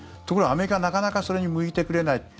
ところが、アメリカはなかなかそれに向いてくれない。